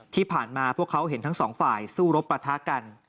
ที่ผ่านมาพวกเขาเห็นทั้งสองฝ่ายสู้รบประทะกัน